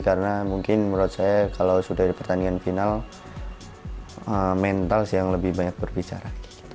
karena mungkin menurut saya kalau sudah di pertandingan final mental sih yang lebih banyak berbicara